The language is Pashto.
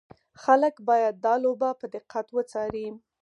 خلک باید دا لوبه په دقت وڅاري.